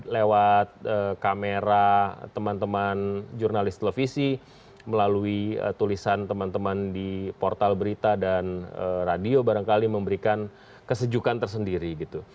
lewat kamera teman teman jurnalis televisi melalui tulisan teman teman di portal berita dan radio barangkali memberikan kesejukan tersendiri gitu